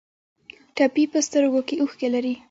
ټپي په سترګو کې اوښکې لري.